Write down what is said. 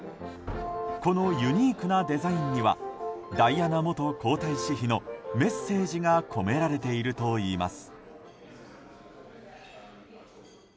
このユニークなデザインにはダイアナ元皇太子妃のメッセージが込められているといいます。